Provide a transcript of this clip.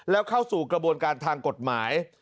แล้วเข้าสู่กระบวนการทางกฎหมาย